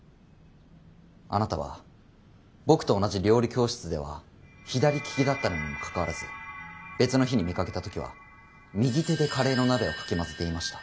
あなたは僕と同じ料理教室では左利きだったのにもかかわらず別の日に見かけた時は右手でカレーの鍋をかき混ぜていました。